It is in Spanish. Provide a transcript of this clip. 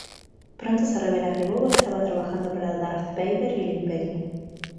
Pronto se revela que Boba estaba trabajando para Darth Vader y el Imperio.